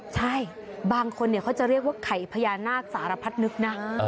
ใช่บางคนเขาจะเรียกว่าไข่พญานาคสารพัดนึกนะ